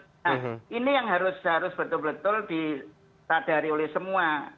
nah ini yang harus betul betul disadari oleh semua